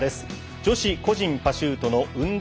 女子個人パシュートの運動